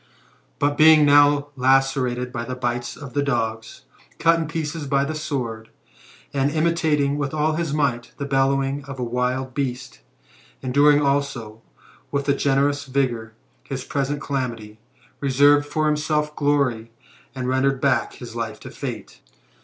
But, being now lacerated by the bites of the dogs, cut in pieces by the sword, and imitating with all his might the bellowing of a wild beast, enduring also, with a generous vigour, his present calamity, reserved for him self glory, and rendered back his life to fate.